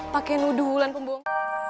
pake nudulan pembuang